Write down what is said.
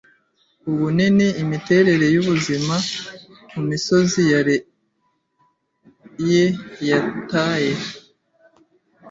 ubunini imiterere yubuzima kumisozi ye yataye